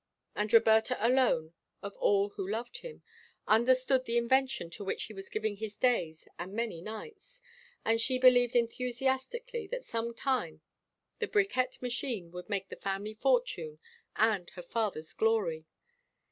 And Roberta alone, of all who loved him, understood the invention to which he was giving his days and many nights, and she believed enthusiastically that some time the bricquette machine would make the family fortune and her father's glory.